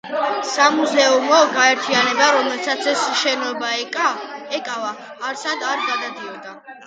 სამუზეუმო გაერთიანება, რომელსაც ეს შენობა ეკავა, არსად არ გადადიოდა.